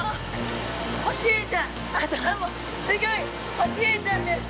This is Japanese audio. ホシエイちゃんです。